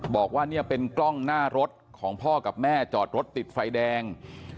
บอกว่าเนี่ยเป็นกล้องหน้ารถของพ่อกับแม่จอดรถติดไฟแดง